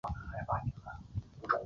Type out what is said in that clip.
邓琬人。